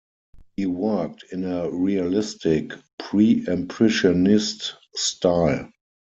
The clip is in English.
He worked in a realistic - pre-impressionist style.